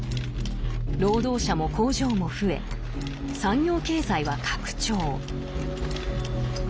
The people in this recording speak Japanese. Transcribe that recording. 労働者も工場も増え産業経済は拡張。